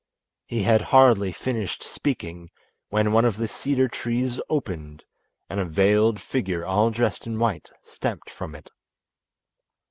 He had hardly finished speaking when one of the cedar trees opened, and a veiled figure all dressed in white stepped from it.